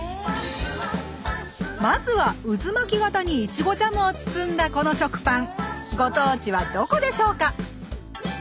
まずはうずまき形にいちごジャムを包んだこの食パンご当地はどこでしょうか？